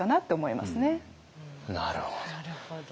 なるほど。